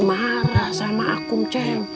marah sama akum ceng